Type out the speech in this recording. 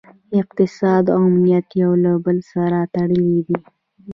اقتصاد او امنیت یو له بل سره تړلي دي